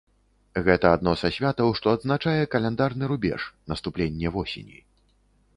Гэта адно са святаў, што адзначае каляндарны рубеж, наступленне восені.